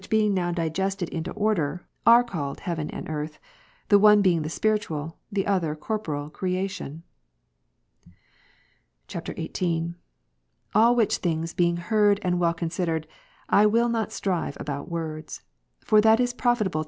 263 being now digested into order, are called Heaven and Earth, the one being the spiritual, the other the corporeal, creation/' [XVIII.] 27. All which things being heard and well con sidered, I will not strive about ivords : for that is profitable 2 Tim.